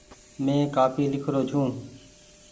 مينٚ ڪآپي لکرو ڇو